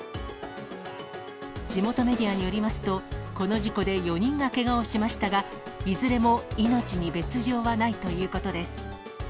地元メディアによりますと、この事故で４人がけがをしましたが、いずれも命に別状はないということです。